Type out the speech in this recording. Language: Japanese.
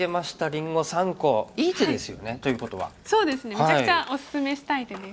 めちゃくちゃおすすめしたい手です。